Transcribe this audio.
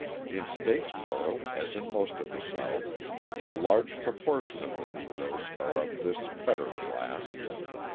In Statesboro, as in most of the South, a large proportion of the Negroes are of this better class.